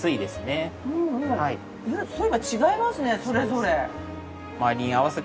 そういえば違いますねそれぞれ。